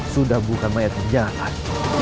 sudah bukan mayat menjangan